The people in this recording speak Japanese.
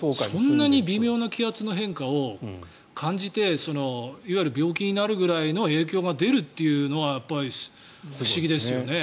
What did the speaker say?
そんなに微妙な気圧の変化を感じていわゆる病気になるくらいの影響が出るというのは不思議ですよね。